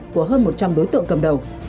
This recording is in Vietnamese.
của hơn một trăm linh đối tượng cầm đầu